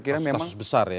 kasus kasus besar ya